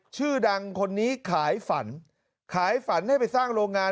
ชื่อดังคนนี้ขายฝันขายฝันให้ไปสร้างโรงงาน